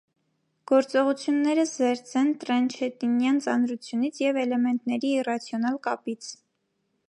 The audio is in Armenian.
Գործողությունները զերծ են տրենչենտինյան ծանրությունից և էլեմենտների իռացիոնալ կապից։